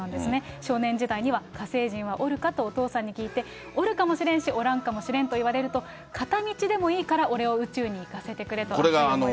少年時代には、火星人はおるかとお父さんに聞いて、おるかもしれんし、おらんかもしれんと言われると、片道でもいいから俺を宇宙に行かせてくれと熱い思いを。